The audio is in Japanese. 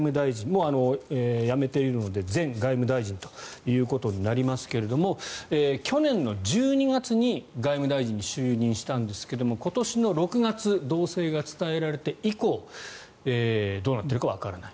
もう辞めているので前外務大臣となりますが去年の１２月に外務大臣に就任したんですが今年の６月動静が伝えられて以降どうなっているかわからない。